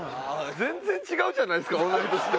全然違うじゃないですか同い年でも。